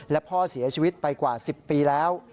และพ่อเสียชีวิตไปกว่า๑๐ปีแล้ว